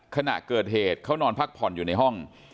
ขณะเกิดเหตุเขานอนพักผ่อนอยู่ในห้อง